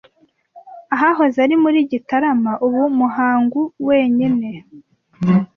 ahahoze ari muri Gitarama ubu Muhangu wenyine